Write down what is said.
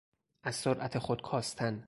از سرعت خود کاستن